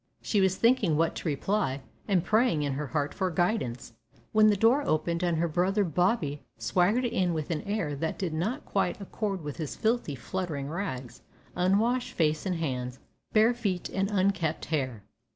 She was thinking what to reply, and praying in her heart for guidance, when the door opened and her brother Bobby swaggered in with an air that did not quite accord with his filthy fluttering rags, unwashed face and hands, bare feet and unkempt hair.